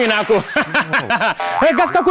เฮียเดี๋ยว